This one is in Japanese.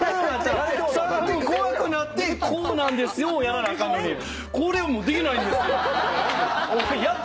怖くなってこうなんですよをやらなあかんのに「これをできないんです」って。